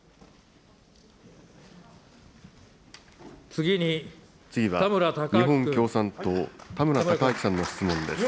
次は日本共産党、田村貴昭さんの質問です。